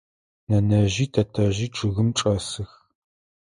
Нэнэжъи тэтэжъи чъыгым чӏэсых.